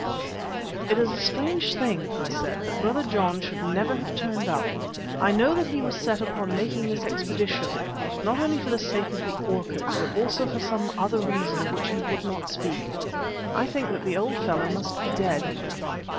"It is a strange thing," I said, "that Brother John should never have turned up. I know that he was set upon making this expedition, not only for the sake of the orchid, but also for some other reason of which he would not speak. I think that the old fellow must be dead."